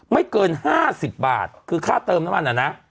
ไม่เกิน๕๐บาทคือค่าเติมน้ำมันน่ะนะ